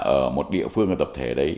ở một địa phương tập thể này